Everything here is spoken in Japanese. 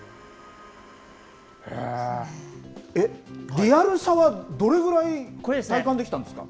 リアルさはどれぐらい体感できたんですか。